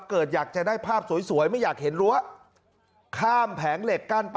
เกิดอยากจะได้ภาพสวยไม่อยากเห็นรั้วข้ามแผงเหล็กกั้นไป